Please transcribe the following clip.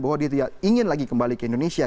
bahwa dia tidak ingin lagi kembali ke indonesia